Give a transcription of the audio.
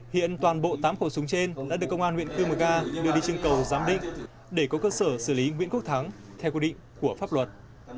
hiện toàn bộ tám khẩu súng trên đã được công an huyện cư mờ ga đưa đi chương cầu giám định để có cơ sở xử lý nguyễn quốc thắng theo quy định của pháp luật